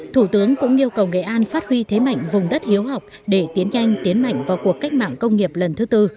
thủ tướng cũng yêu cầu nghệ an phát huy thế mạnh vùng đất hiếu học để tiến nhanh tiến mạnh vào cuộc cách mạng công nghiệp lần thứ tư